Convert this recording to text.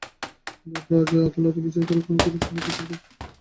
দায়রা আদালতের বিচারে কোনো ত্রুটি বা অসংগতি থাকলে উচ্চতর আদালত প্রতিকার দেবেন।